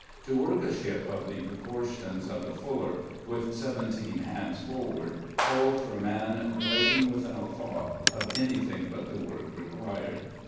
To work a ship of the proportions of the Fuller, with seventeen hands forward, called for man driving without thought of anything but the work required.